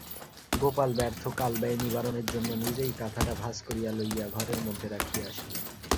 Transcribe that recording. গোপাল ব্যর্থ কালব্যয় নিবারণের জন্য নিজেই কাঁথাটা ভাঁজ করিয়া লইয়া ঘরের মধ্যে রাখিয়া আসিল।